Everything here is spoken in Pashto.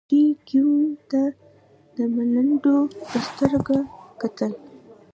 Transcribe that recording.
دوی ګیوم ته د ملنډو په سترګه کتل.